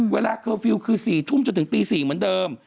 เวลาเคฟิลคือ๔ทุมจนถึง๔ปีเหมือนเดิม